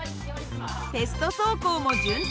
テスト走行も順調。